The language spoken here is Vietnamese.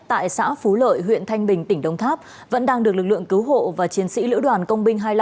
tại xã phú lợi huyện thanh bình tỉnh đông tháp vẫn đang được lực lượng cứu hộ và chiến sĩ lữ đoàn công binh hai mươi năm